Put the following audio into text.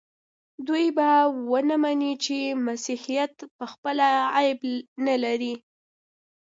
دوی به ونه مني چې مسیحیت پخپله عیب نه لري.